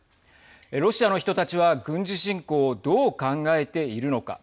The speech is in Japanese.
ロシアの人たちは軍事侵攻をどう考えているのか。